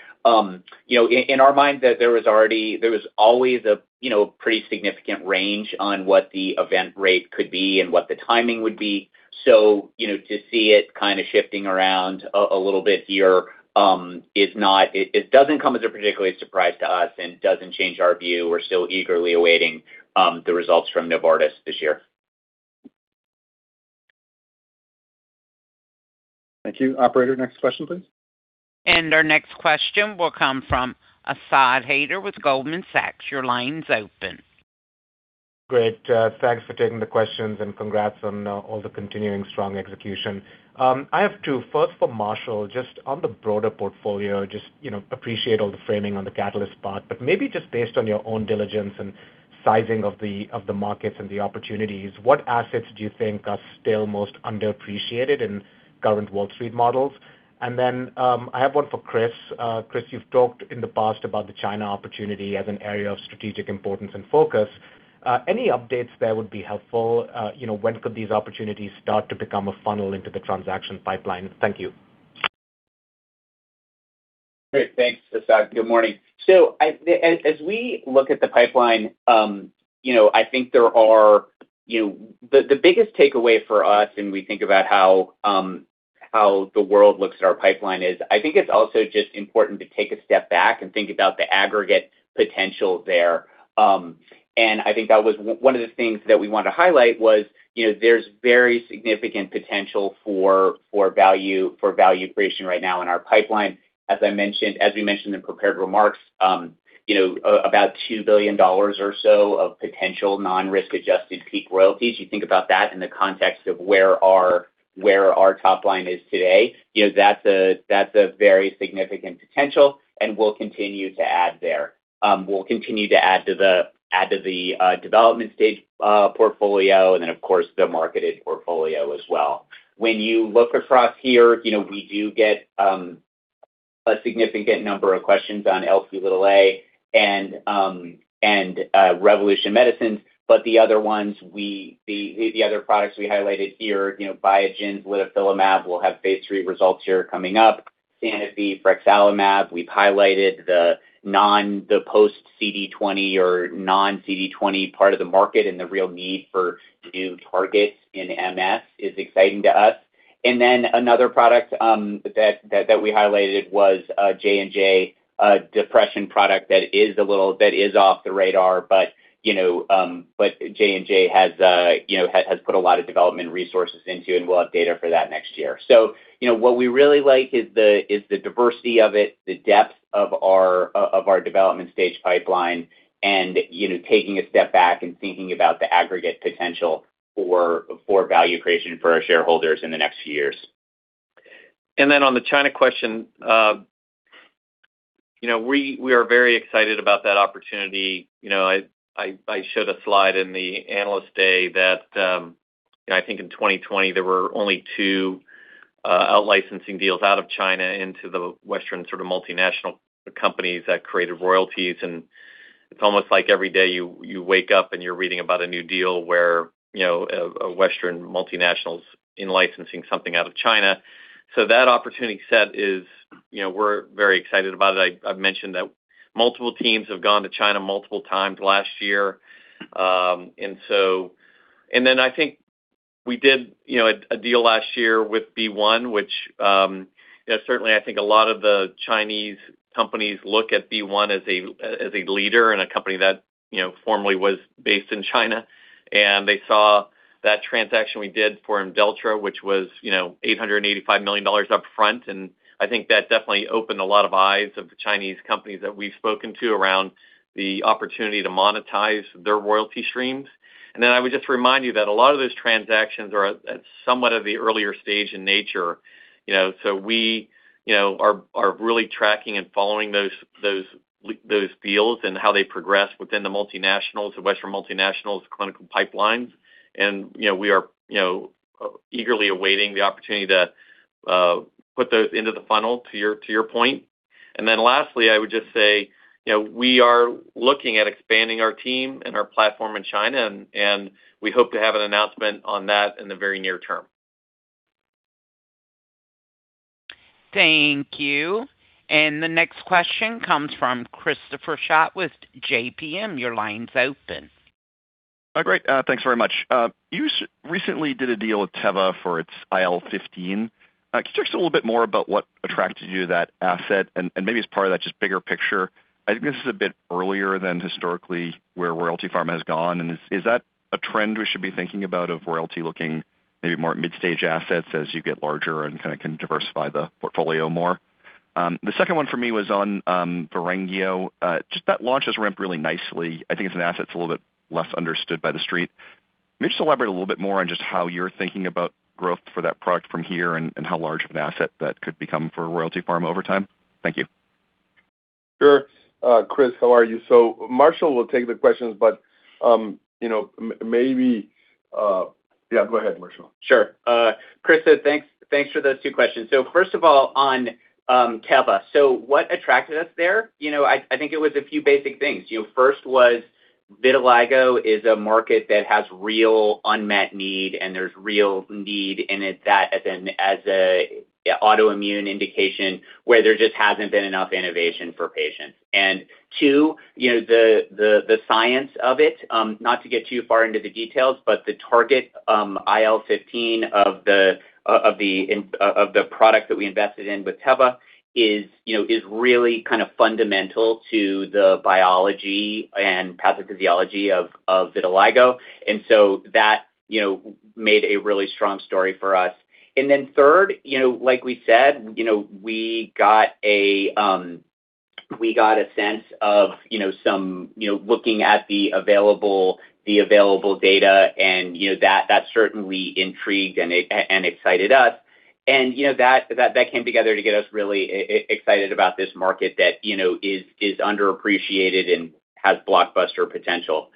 you know, in our mind, there was always a, you know, pretty significant range on what the event rate could be and what the timing would be. So, you know, to see it kind of shifting around a little bit here, it doesn't come as a particular surprise to us and doesn't change our view. We're still eagerly awaiting the results from Novartis this year. Thank you. Operator, next question, please. Our next question will come from Asad Haider with Goldman Sachs. Your line's open. Great. Thanks for taking the questions, and congrats on all the continuing strong execution. I have two. First, for Marshall, just on the broader portfolio, just, you know, appreciate all the framing on the catalyst part. But maybe just based on your own diligence and sizing of the markets and the opportunities, what assets do you think are still most underappreciated in current Wall Street models? And then, I have one for Chris. Chris, you've talked in the past about the China opportunity as an area of strategic importance and focus. Any updates there would be helpful. You know, when could these opportunities start to become a funnel into the transaction pipeline? Thank you. Great. Thanks, Asad. Good morning. So as we look at the pipeline, you know, I think there are. You know, the biggest takeaway for us, and we think about how the world looks at our pipeline is, I think it's also just important to take a step back and think about the aggregate potential there. And I think that was one of the things that we wanted to highlight was, you know, there's very significant potential for value creation right now in our pipeline. As I mentioned, as we mentioned in prepared remarks, you know, about $2 billion or so of potential non-risk adjusted peak royalties. You think about that in the context of where our top line is today, you know, that's a very significant potential, and we'll continue to add there. We'll continue to add to the development stage portfolio, and then, of course, the marketed portfolio as well. When you look across here, you know, we do get a significant number of questions on Lp and Revolution Medicines, but the other ones, the other products we highlighted here, you know, Biogen's solanezumab will have phase III results here coming up. Sanofi frexalimab, we've highlighted the post CD20 or non-CD20 part of the market, and the real need for new targets in MS is exciting to us. And then another product that we highlighted was J&J depression product that is a little off the radar, but, you know, but J&J has, you know, has put a lot of development resources into, and we'll have data for that next year. So, you know, what we really like is the diversity of it, the depth of our development stage pipeline, and, you know, taking a step back and thinking about the aggregate potential for value creation for our shareholders in the next years. And then on the China question, you know, we are very excited about that opportunity. You know, I showed a slide in the Analyst Day that, I think in 2020, there were only two out licensing deals out of China into the Western sort of multinational companies that created royalties. And it's almost like every day you wake up, and you're reading about a new deal where, you know, a Western multinational's in licensing something out of China. So that opportunity set is... You know, we're very excited about it. I've mentioned that multiple teams have gone to China multiple times last year. and then I think we did, you know, a deal last year with BeOne, which, yeah, certainly I think a lot of the Chinese companies look at BeOne as a leader and a company that, you know, formerly was based in China. And they saw-... That transaction we did for Imdelltra, which was, you know, $885 million up front, and I think that definitely opened a lot of eyes of the Chinese companies that we've spoken to around the opportunity to monetize their royalty streams. And then I would just remind you that a lot of those transactions are at somewhat of the earlier stage in nature, you know, so we, you know, are really tracking and following those deals and how they progress within the multinationals, the Western multinationals clinical pipelines. And, you know, we are, you know, eagerly awaiting the opportunity to put those into the funnel, to your point. And then lastly, I would just say, you know, we are looking at expanding our team and our platform in China, and we hope to have an announcement on that in the very near term. Thank you. The next question comes from Christopher Schott with JPM. Your line's open. Hi, great. Thanks very much. You recently did a deal with Teva for its IL-15. Can you talk us a little bit more about what attracted you to that asset? And, and maybe as part of that, just bigger picture, I think this is a bit earlier than historically where Royalty Pharma has gone. And is, is that a trend we should be thinking about of Royalty looking maybe more at mid-stage assets as you get larger and kinda can diversify the portfolio more? The second one for me was on, VORANIGO. Just that launch has ramped really nicely. I think it's an asset that's a little bit less understood by The Street. Maybe just elaborate a little bit more on just how you're thinking about growth for that product from here and how large of an asset that could become for Royalty Pharma over time. Thank you. Sure. Chris, how are you? So Marshall will take the questions, but, you know, maybe... Yeah, go ahead, Marshall. Sure. Christopher, thanks, thanks for those two questions. So first of all, on Teva. So what attracted us there? You know, I think it was a few basic things. You know, first was vitiligo is a market that has real unmet need, and there's real need, and it's that as a autoimmune indication, where there just hasn't been enough innovation for patients. And two, you know, the science of it, not to get too far into the details, but the target, IL-15 of the product that we invested in with Teva is, you know, really kind of fundamental to the biology and pathophysiology of vitiligo, and so that, you know, made a really strong story for us. And then third, you know, like we said, you know, we got a sense of, you know, some. You know, looking at the available data, and, you know, that came together to get us really excited about this market that, you know, is underappreciated and has blockbuster potential.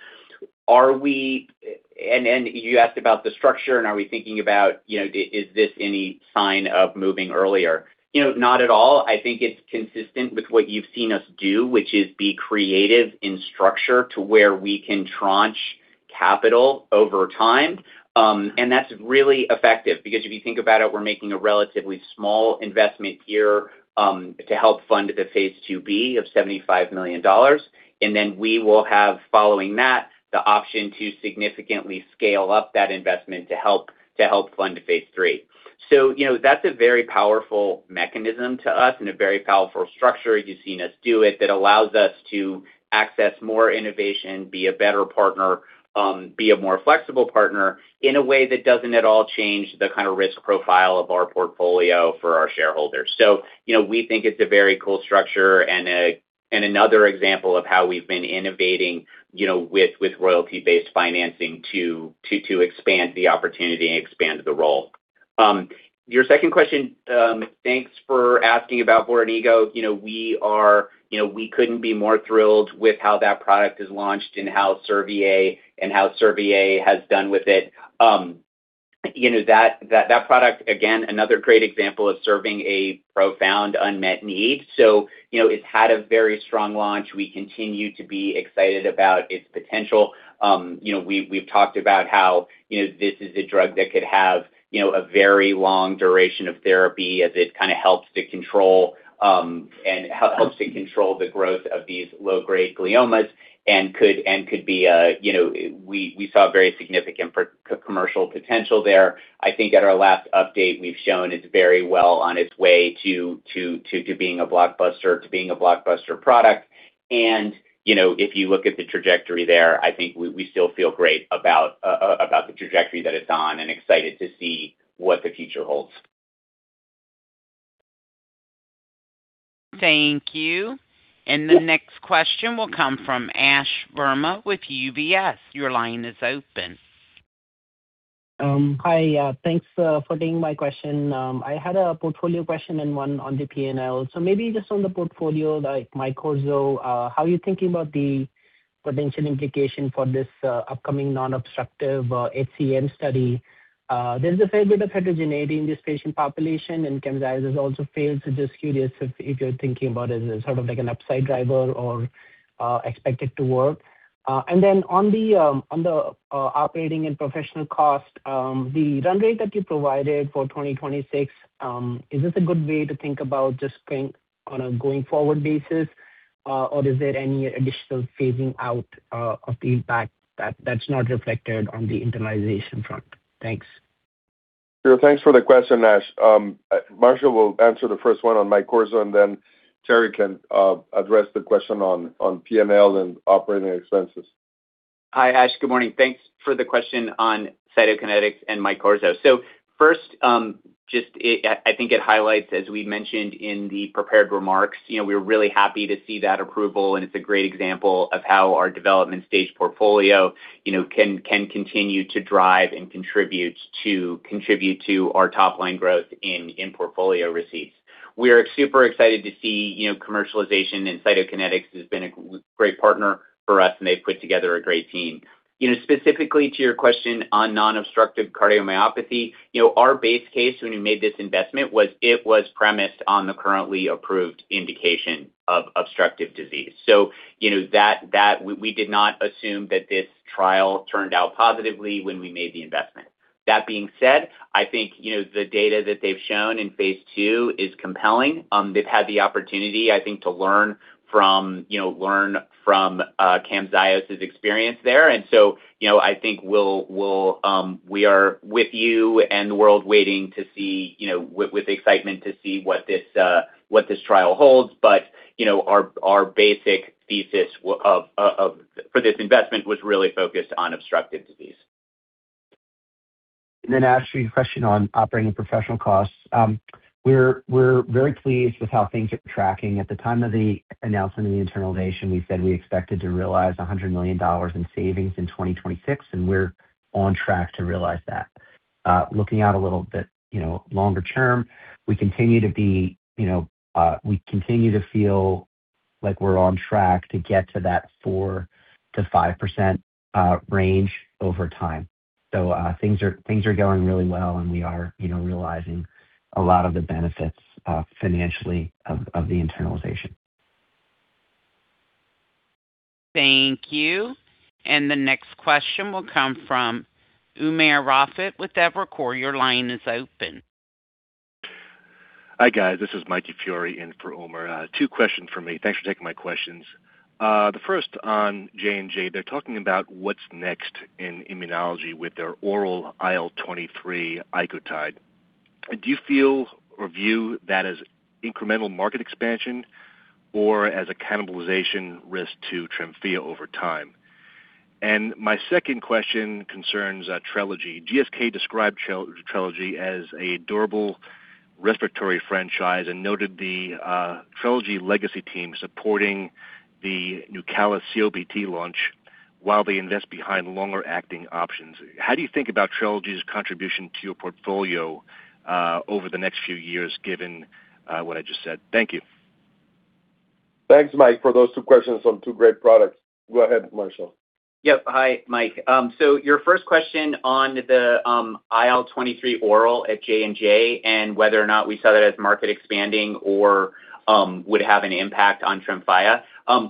And you asked about the structure and are we thinking about, you know, is this any sign of moving earlier? You know, not at all. I think it's consistent with what you've seen us do, which is be creative in structure to where we can tranche capital over time. That's really effective, because if you think about it, we're making a relatively small investment here to help fund the phase IIb of $75 million. And then we will have, following that, the option to significantly scale up that investment to help fund phase III. So, you know, that's a very powerful mechanism to us and a very powerful structure, you've seen us do it, that allows us to access more innovation, be a better partner, be a more flexible partner in a way that doesn't at all change the kind of risk profile of our portfolio for our shareholders. So, you know, we think it's a very cool structure and another example of how we've been innovating with royalty-based financing to expand the opportunity and expand the role. Your second question, thanks for asking about VORANIGO. You know, we are... You know, we couldn't be more thrilled with how that product is launched and how Servier, and how Servier has done with it. You know, that product, again, another great example of serving a profound unmet need. So, you know, it's had a very strong launch. We continue to be excited about its potential. You know, we've talked about how, you know, this is a drug that could have, you know, a very long duration of therapy as it kind of helps to control and helps to control the growth of these low-grade gliomas and could be a, you know, we saw very significant commercial potential there. I think at our last update, we've shown it's very well on its way to being a blockbuster product. And, you know, if you look at the trajectory there, I think we still feel great about the trajectory that it's on and excited to see what the future holds. Thank you. The next question will come from Ash Verma with UBS. Your line is open. Hi, thanks for taking my question. I had a portfolio question and one on the P&L. So maybe just on the portfolio, like micros, how are you thinking about the potential implication for this upcoming non-obstructive HCM study? There's a fair bit of heterogeneity in this patient population, and Kymriah has also failed, so just curious if you're thinking about it as sort of like an upside driver or expect it to work. And then on the operating and professional cost, the run rate that you provided for 2026, is this a good way to think about just think on a going-forward basis, or is there any additional phasing out of the impact that's not reflected on the internalization front? Thanks.... Sure, thanks for the question, Ash. Marshall will answer the first one on aficamten, and then Terry can address the question on, on PNL and operating expenses. Hi, Ash. Good morning. Thanks for the question on Cytokinetics and Aficamten. So first, I think it highlights, as we mentioned in the prepared remarks, you know, we're really happy to see that approval, and it's a great example of how our development stage portfolio, you know, can continue to drive and contribute to our top line growth in portfolio receipts. We're super excited to see, you know, commercialization, and Cytokinetics has been a great partner for us, and they've put together a great team. You know, specifically to your question on non-obstructive cardiomyopathy, you know, our base case when we made this investment was premised on the currently approved indication of obstructive disease. So you know, that we did not assume that this trial turned out positively when we made the investment. That being said, I think, you know, the data that they've shown in phase II is compelling. They've had the opportunity, I think, to learn from, you know, Camzyos' experience there. And so, you know, I think we'll, we are with you and the world waiting to see, you know, with excitement to see what this trial holds. But, you know, our basic thesis for this investment was really focused on obstructive disease. And then, Ash, your question on operating professional costs. We're very pleased with how things are tracking. At the time of the announcement of the internalization, we said we expected to realize $100 million in savings in 2026, and we're on track to realize that. Looking out a little bit, you know, longer term, we continue to be, you know, we continue to feel like we're on track to get to that 4%-5% range over time. Things are going really well, and we are, you know, realizing a lot of the benefits, financially, of the internalization. Thank you. The next question will come from Umer Raffat with Evercore. Your line is open. Hi, guys. This is Mike DiFiore in for Umer. Two questions for me. Thanks for taking my questions. The first on J&J, they're talking about what's next in immunology with their oral IL-23 icotrokinra. Do you feel or view that as incremental market expansion or as a cannibalization risk to TREMFYA over time? And my second question concerns Trelegy. GSK described Trelegy as a durable respiratory franchise and noted the Trelegy legacy team supporting the Nucala COPDd launch while they invest behind longer-acting options. How do you think about Trelegy's contribution to your portfolio over the next few years, given what I just said? Thank you. Thanks, Mike, for those two questions on two great products. Go ahead, Marshall. Yep. Hi, Mike. So your first question on the IL-23 oral at J&J and whether or not we saw that as market expanding or would have an impact on TREMFYA.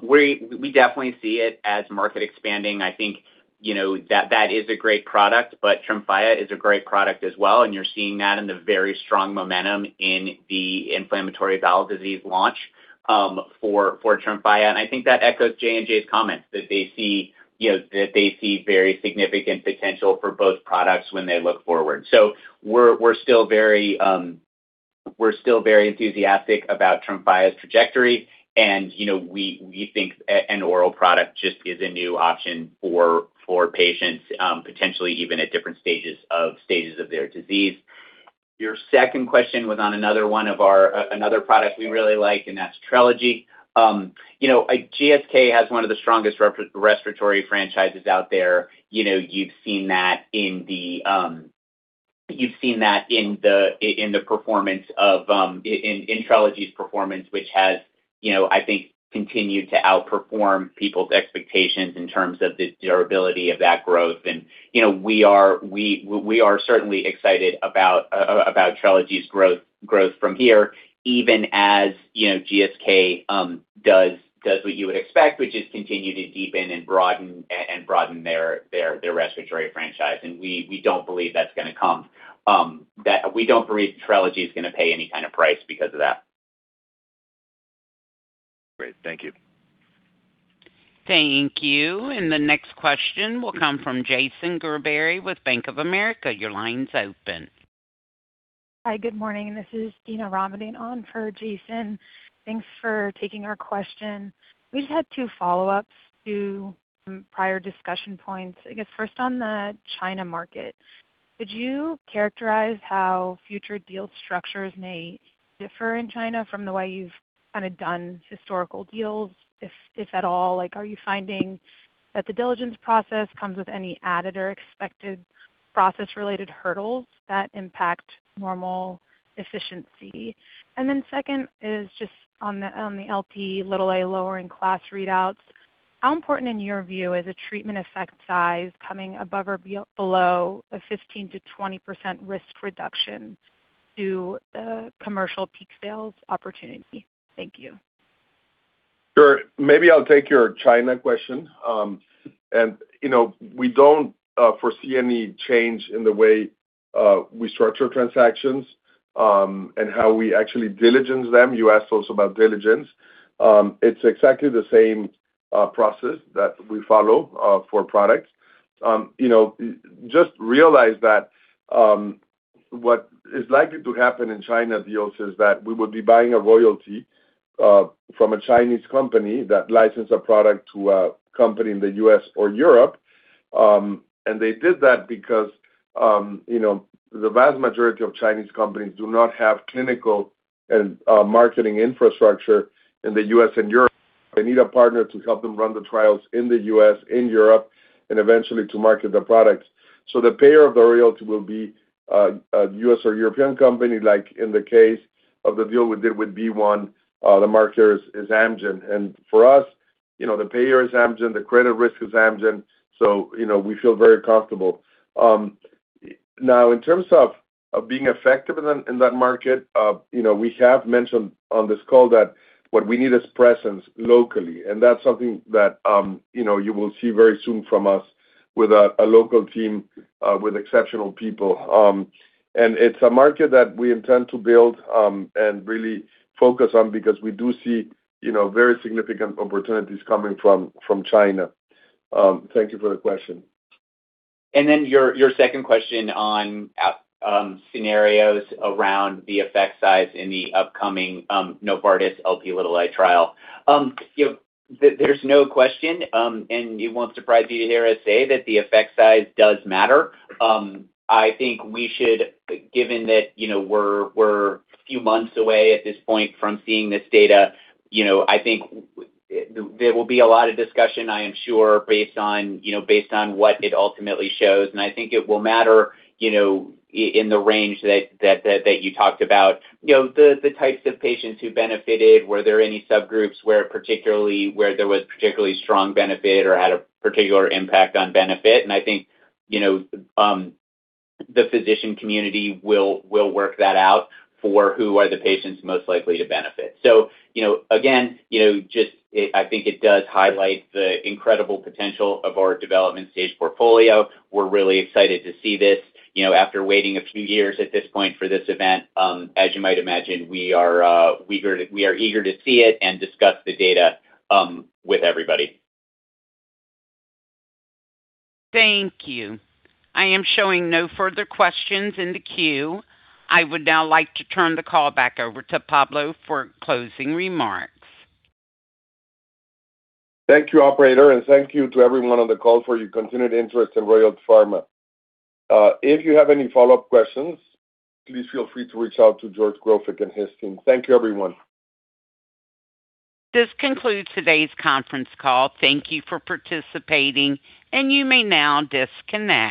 We definitely see it as market expanding. I think, you know, that that is a great product, but TREMFYA is a great product as well, and you're seeing that in the very strong momentum in the inflammatory bowel disease launch for TREMFYA. And I think that echoes J&J's comments, that they see, you know, that they see very significant potential for both products when they look forward. So we're still very enthusiastic about TREMFYA 's trajectory, and, you know, we think an oral product just is a new option for patients, potentially even at different stages of their disease. Your second question was on another one of our, another product we really like, and that's Trelegy. You know, GSK has one of the strongest respiratory franchises out there. You know, you've seen that in the, you've seen that in the, in, in the performance of, in, in Trelegy's performance, which has, you know, I think, continued to outperform people's expectations in terms of the durability of that growth. And, you know, we are, we, we are certainly excited about, about Trelegy's growth, growth from here, even as, you know, GSK does, does what you would expect, which is continue to deepen and broaden, and broaden their, their, their respiratory franchise. And we, we don't believe that's gonna come, that we don't believe Trelegy is gonna pay any kind of price because of that. Great. Thank you. Thank you. And the next question will come from Jason Gerberry with Bank of America. Your line's open. Hi, good morning. This is Dina Ramadene on for Jason. Thanks for taking our question. We just had two follow-ups to some prior discussion points. I guess first on the China market, could you characterize how future deal structures may differ in China from the way you've kind of done historical deals, if at all? Like, are you finding that the diligence process comes with any added or expected process-related hurdles that impact normal efficiency? And then second is just on the Lp(a) lowering class readouts. How important, in your view, is a treatment effect size coming above or below a 15%-20% risk reduction to the commercial peak sales opportunity? Thank you. Sure. Maybe I'll take your China question. You know, we don't foresee any change in the way we structure transactions and how we actually diligence them. You asked also about diligence. It's exactly the same process that we follow for products. You know, just realize that what is likely to happen in China deals is that we would be buying a royalty from a Chinese company that licensed a product to a company in the U.S. or Europe. And they did that because, you know, the vast majority of Chinese companies do not have clinical and marketing infrastructure in the U.S. and Europe. They need a partner to help them run the trials in the U.S., in Europe, and eventually to market their products. So the payer of the royalty will be a U.S. or European company, like in the case of the deal we did with BeOne, the marketer is Amgen. And for us, you know, the payer is Amgen, the credit risk is Amgen, so, you know, we feel very comfortable. Now, in terms of being effective in that market, you know, we have mentioned on this call that what we need is presence locally, and that's something that, you know, you will see very soon from us with a local team with exceptional people. And it's a market that we intend to build and really focus on because we do see, you know, very significant opportunities coming from China. Thank you for the question. And then your second question on scenarios around the effect size in the upcoming Novartis Lp(a) trial. You know, there's no question, and it won't surprise you to hear us say that the effect size does matter. I think we should, given that, you know, we're a few months away at this point from seeing this data, you know, I think there will be a lot of discussion, I am sure, based on, you know, based on what it ultimately shows. And I think it will matter, you know, in the range that you talked about. You know, the types of patients who benefited, were there any subgroups where particularly—where there was particularly strong benefit or had a particular impact on benefit? I think, you know, the physician community will work that out for who are the patients most likely to benefit. So, you know, again, you know, just, I think it does highlight the incredible potential of our development stage portfolio. We're really excited to see this, you know, after waiting a few years at this point for this event. As you might imagine, we are eager to see it and discuss the data with everybody. Thank you. I am showing no further questions in the queue. I would now like to turn the call back over to Pablo for closing remarks. Thank you, operator, and thank you to everyone on the call for your continued interest in Royalty Pharma. If you have any follow-up questions, please feel free to reach out to George Grofik and his team. Thank you, everyone. This concludes today's conference call. Thank you for participating, and you may now disconnect.